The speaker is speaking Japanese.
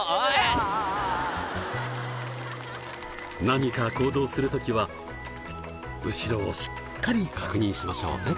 何か行動する時は後ろをしっかり確認しましょうね。